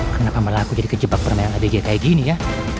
kenapa malah aku jadi kejebak permainan adj kayak gini ya